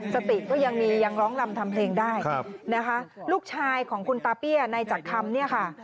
สติก็ยังมียังร้องรำทำเพลงได้นะคะลูกชายของคุณตาเปี้ยนายจักรคำเนี่ยค่ะ